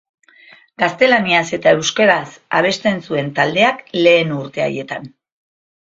Gaztelaniaz eta euskaraz abesten zuen taldeak lehen urte haietan.